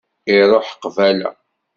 Ruḥ qbala.